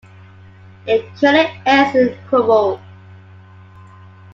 It currently airs in Qubo.